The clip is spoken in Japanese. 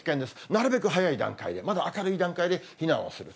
なるべく早い段階で、まだ明るい段階で避難をする。